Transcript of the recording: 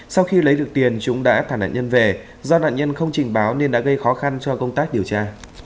sau khi lấy được tiền chúng đã thả nạn nhân về do nạn nhân không trình báo nên đã gây khó khăn cho công tác điều tra